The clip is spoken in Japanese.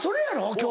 今日。